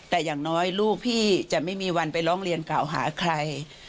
แต่อย่างน้อยลูกพี่จะไม่มีวันไปร้องเรียนกล่าวหาใคร